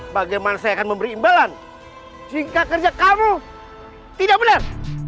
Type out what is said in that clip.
bagaimana saya akan memberi imbalan jika kerja kamu tidak benar